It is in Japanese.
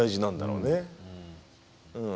うん。